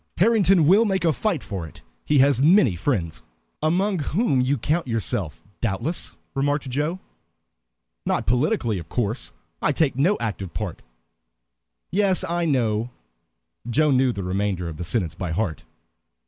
Harrington will make a fight for it. He has many friends." "Among whom you count yourself, doubtless," remarked Joe. "Not politically, of course. I take no active part" "Yes, I know." Joe knew the remainder of the sentence by heart.